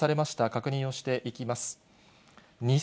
確認をしていきます。